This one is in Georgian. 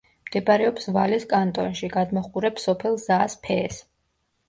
მდებარეობს ვალეს კანტონში; გადმოჰყურებს სოფელ ზაას-ფეეს.